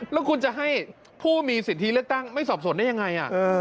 แล้วคุณจะให้ผู้มีสิทธิเลือกตั้งไม่สอบสนได้ยังไง